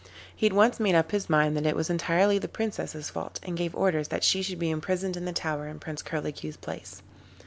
He at once made up his mind that it was entirely the Princess's fault, and gave orders that she should be imprisoned in the tower in Prince Curlicue's place.